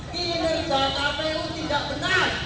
kinerja kpu tidak benar